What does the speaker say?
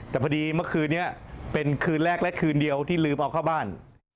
แต่พอดีเมื่อคืนนี้เป็นคืนแรกและคืนเดียวที่ลืมเอาเข้าบ้าน